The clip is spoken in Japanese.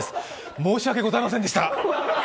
申し訳ございませんでした。